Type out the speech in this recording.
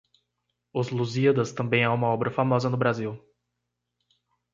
Os Lusíadas também é uma obra famosa no Brasil